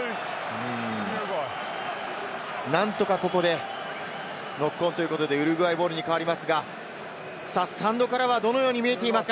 何とかここでノックオンということでウルグアイボールに変わりますが、スタンドからはどのように見えていますか？